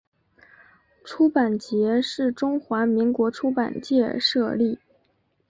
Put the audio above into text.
出版节是中华民国出版界设立。